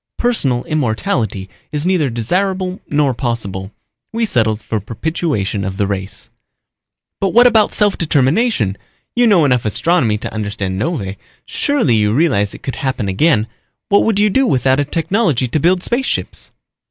Personal immortality is neither desirable nor possible. We settled for perpetuation of the race." "But what about self determination? You know enough astronomy to understand novae. Surely you realize it could happen again. What would you do without a technology to build spaceships?"